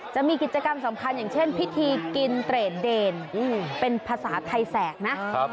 จะมีกิจกรรมสำคัญอย่างเช่นพิธีกินเตรดเดนเป็นภาษาไทยแสกนะ